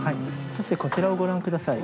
そしてこちらをご覧下さい。